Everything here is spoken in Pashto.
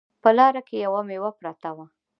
په لاره کې یوه میوه پرته وه